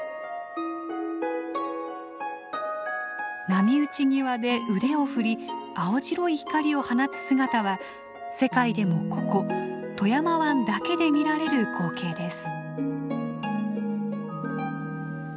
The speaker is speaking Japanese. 波打ち際で腕を振り青白い光を放つ姿は世界でもここ富山湾だけで見られる光景です。